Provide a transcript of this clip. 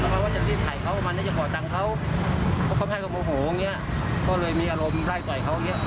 ก็เลยมีอารมณ์ใช้ปล่อยเขา